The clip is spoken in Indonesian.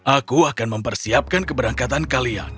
aku akan mempersiapkan keberangkatan kalian